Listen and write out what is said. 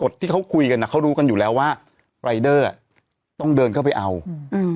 ที่เขาคุยกันอ่ะเขารู้กันอยู่แล้วว่ารายเดอร์อ่ะต้องเดินเข้าไปเอาอืม